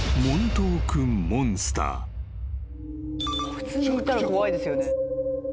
普通にいたら怖いですよね。